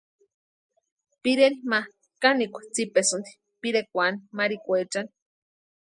Pireri ma kanikwa tsipesïnti pirekwani marikwaechani.